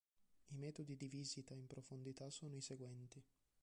I metodi di visita in profondità sono i seguenti.